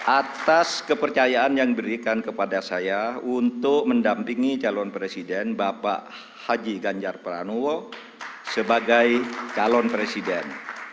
atas kepercayaan yang diberikan kepada saya untuk mendampingi calon presiden bapak haji ganjar pranowo sebagai calon presiden